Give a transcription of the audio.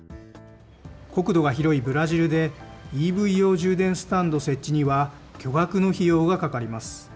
国土が広いブラジルで、ＥＶ用充電スタンド設置には巨額の費用がかかります。